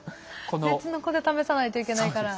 別の子で試さないといけないから。